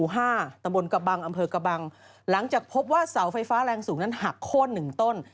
หลังจากพบว่าเสาไฟฟ้าแรงสูงนั้นหักโค้น๑ต้น